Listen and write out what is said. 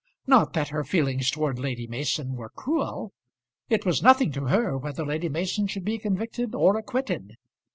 Not that her feelings towards Lady Mason were cruel. It was nothing to her whether Lady Mason should be convicted or acquitted.